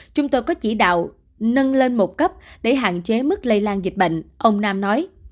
chúng tôi có chỉ đạo nâng lên một cấp để hạn chế mức lây lan dịch bệnh ông nam nói